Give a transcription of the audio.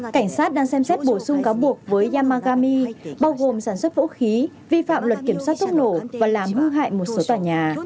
cảnh sát đang xem xét bổ sung cáo buộc với yamagami bao gồm sản xuất vũ khí vi phạm luật kiểm soát thuốc nổ và làm hư hại một số tòa nhà